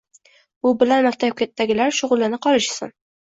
Bu bilan maktabdagilar shug‘ullana qolishsin.